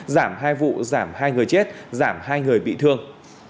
giảm hai vụ giảm hai người chết giảm hai người bị thương